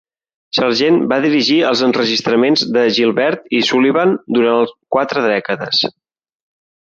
Sargent va dirigir els enregistraments de Gilbert i Sullivan durant quatre dècades.